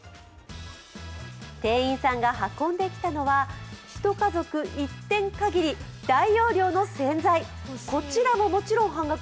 店員さんが運んできたのは、１家族１点限り大容量の洗剤、こちらももちろん半額。